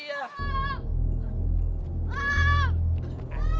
kita tuh harus tolong